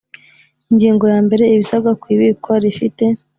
Ingingo yambere Ibisabwa ku ibikwa rifite